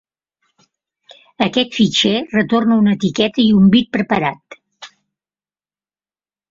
Aquest fitxer retorna una etiqueta i un bit preparat.